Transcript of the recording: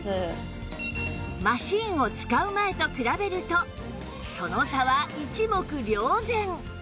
マシンを使う前と比べるとその差は一目瞭然